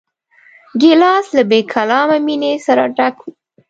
ګیلاس له بېکلامه مینې سره ډک وي.